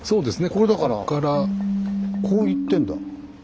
これだからこういってんだ。